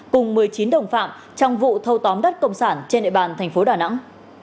cùng một mươi chín đồng phạm trong vụ thâu tóm đất công sản trên đại bàn tp đà nẵng